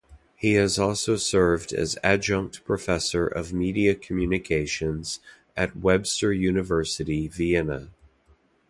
He has also served as Adjunct Professor of Media Communication at Webster University Vienna.